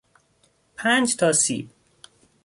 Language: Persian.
پنج تا سیب